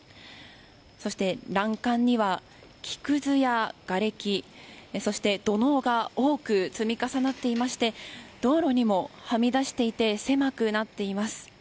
そして、欄干には木くずや、がれきそして、土のうが多く積み重なっていまして道路にもはみ出していて狭くなっています。